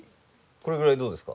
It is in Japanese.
これぐらいでどうですか？